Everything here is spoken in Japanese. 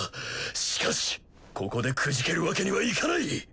しかしここでくじけるわけにはいかない！